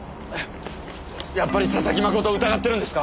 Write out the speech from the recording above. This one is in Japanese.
やっぱり佐々木真人を疑ってるんですか？